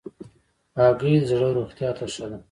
هګۍ د زړه روغتیا ته ښه ده.